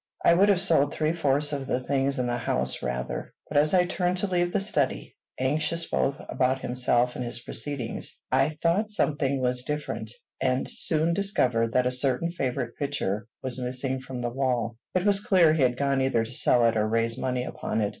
I would have sold three fourths of the things in the house rather. But as I turned to leave the study, anxious both about himself and his proceedings, I thought something was different, and soon discovered that a certain favorite picture was missing from the wall: it was clear he had gone either to sell it or raise money upon it.